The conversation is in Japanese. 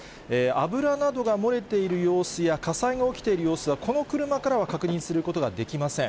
油などが漏れている様子や、火災が起きている様子は、この車からは確認することはできません。